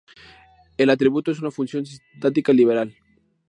El atributo es una función sintáctica liberal.